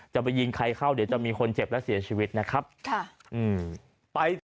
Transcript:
จะไปยิงใครเข้าเดี๋ยวจะมีคนเจ็บและเสียชีวิตนะครับค่ะอืม